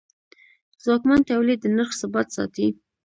ځواکمن تولید د نرخ ثبات ساتي.